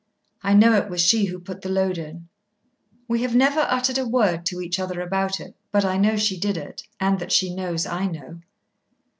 I know it was she who put the load in. We have never uttered a word to each other about it, but I know she did it, and that she knows I know.